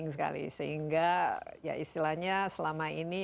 sehingga istilahnya selama ini